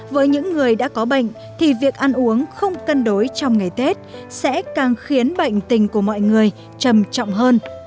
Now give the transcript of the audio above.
với những người đã có bệnh thì việc ăn uống không cân đối trong ngày tết sẽ càng khiến bệnh tình của mọi người trầm trọng hơn